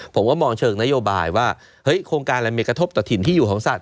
ผมก็มองเชิงนโยบายว่าเฮ้ยโครงการอะไรมีกระทบต่อถิ่นที่อยู่ของสัตว